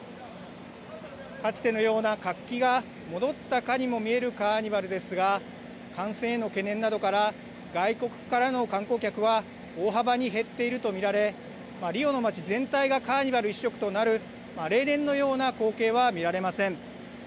かつてのような活気が戻ったかにも見えるカーニバルですが、感染への懸念などから、外国からの観光客は大幅に減っていると見られ、リオの街全体がカーニバル一色となる例年のような光景は見られません。